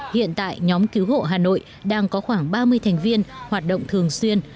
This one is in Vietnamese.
hiện tại nhóm cứu hộ hà nội đang có khoảng ba mươi thành viên hoạt động thường xuyên